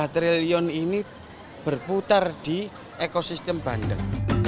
tiga triliun ini berputar di ekosistem bandeng